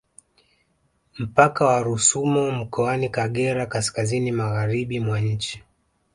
Mpaka wa Rusumo mkoani Kagera kaskazini magharibi mwa nchi